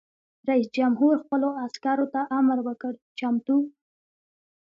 رئیس جمهور خپلو عسکرو ته امر وکړ؛ چمتو!